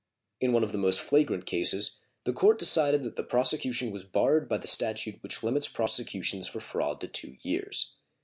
In one of the most flagrant causes the court decided that the prosecution was barred by the statute which limits prosecutions for fraud to two years.